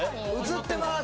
映ってます